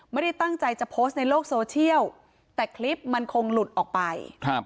ไม่ได้ตั้งใจจะโพสต์ในโลกโซเชียลแต่คลิปมันคงหลุดออกไป